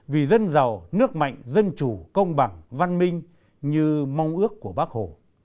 vì dân giàu nước mạnh dân chủ công bằng văn minh như mong ước của bác hồ